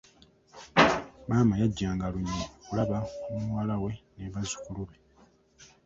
Maama yajjanga lunye okulaba ku muwala we ne bazzukulu be.